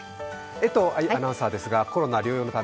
江藤愛アナウンサーですが、コロナ療養のため